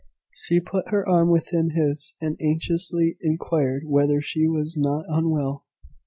She put her arm within his, and anxiously inquired whether he was not unwell.